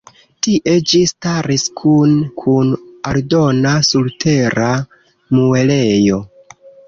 Tie ĝi staris kune kun aldona surtera muelejo.